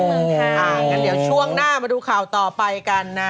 งั้นเดี๋ยวช่วงหน้ามาดูข่าวต่อไปกันนะ